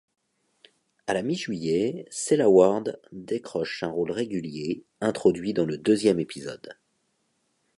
À la mi-juillet, Sela Ward décroche un rôle régulier, introduit dans le deuxième épisode.